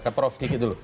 ke prof kiki dulu